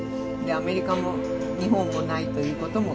アメリカも日本もないということも書いた。